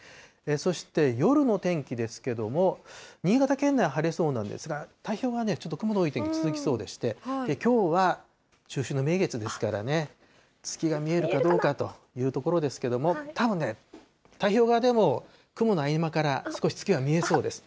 そして、夜の天気ですけども、新潟県内、晴れそうなんですが、太平洋側ね、ちょっと雲の多い天気続きそうでして、きょうは中秋の名月ですからね、月が見えるかどうかというところですけども、たぶんね、太平洋側でも雲の合間から、少し月は見えそうです。